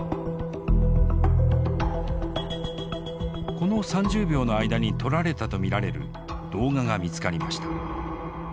この３０秒の間に撮られたと見られる動画が見つかりました。